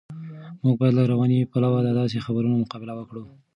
موږ باید له رواني پلوه د داسې خبرونو مقابله وکړو.